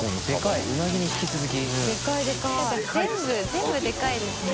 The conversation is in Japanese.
全部でかいですね。